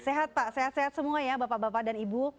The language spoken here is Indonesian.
sehat pak sehat sehat semua ya bapak bapak dan ibu